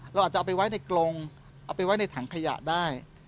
เราอาจจะเอาไปไว้ในกรงเอาไปไว้ในถังขยะได้